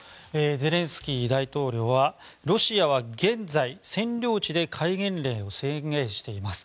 ゼレンスキー大統領はロシアは現在占領地で戒厳令を宣言しています